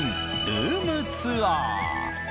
ルームツアー！